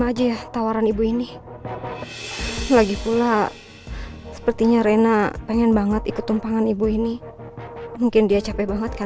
tante tante zara aku harus bisa yakin yang perempuan ini supaya aku bisa bawa